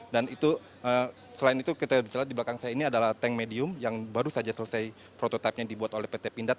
dan itu selain itu kita bisa lihat di belakang saya ini adalah tank medium yang baru saja selesai prototipe yang dibuat oleh pt pindad